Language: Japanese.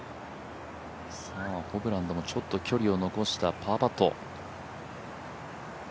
ホブランドもちょっと距離を残したパーパット。